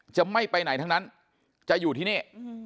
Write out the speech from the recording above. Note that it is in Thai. ไม่ไปไหนทั้งนั้นจะอยู่ที่นี่